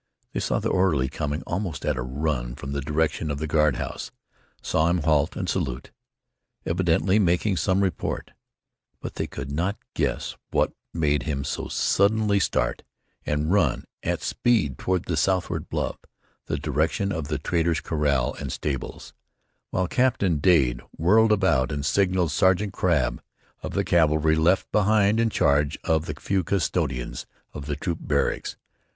They saw the orderly coming almost at a run from the direction of the guard house, saw him halt and salute, evidently making some report, but they could not guess what made him so suddenly start and run at speed toward the southward bluff, the direction of the trader's corral and stables, while Captain Dade whirled about and signalled Sergeant Crabb, of the cavalry, left behind in charge of the few custodians of the troop barracks.